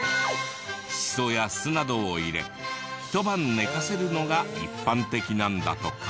シソや酢などを入れ一晩寝かせるのが一般的なんだとか。